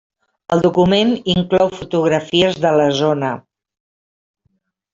El document inclou fotografies de la zona.